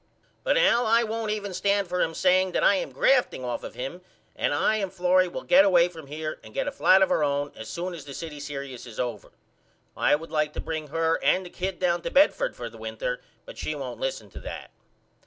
But All won't even stand for him saying that I am grafting off of him and I and Florrie will get away from here and get a flat of our own as soon as the city serious is over. I would like to bring her and the kid down to Bedford for the winter but she wont listen to that.